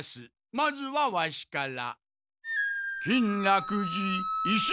まずはワシから。